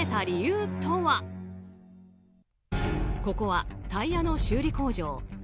ここはタイヤの修理工場。